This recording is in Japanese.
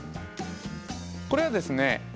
これはですね